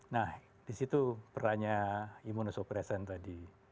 nah disitu perannya immunosopresen tadi